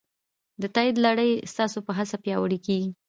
د تایید لړۍ ستاسو په هڅه پیاوړې کېږي.